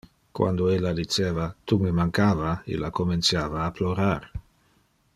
Quando illa diceva "Tu me mancava" illa comenciava a plorar.